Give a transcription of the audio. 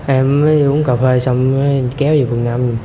em mới đi uống cà phê xong mới kéo về phường năm